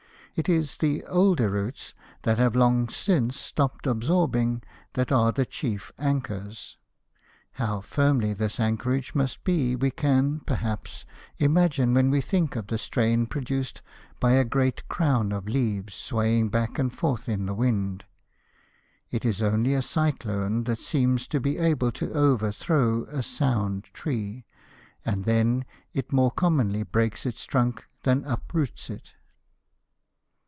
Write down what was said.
It is the older roots that have long since stopped absorbing that are the chief anchors. How firm this anchorage must be we can, perhaps, imagine when we think of the strain produced by a great crown of leaves swaying back and forth in the wind. It is only a cyclone that seems to be able to overthrow a sound tree, and then it more commonly breaks its trunk than uproots it.